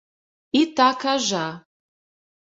Itacajá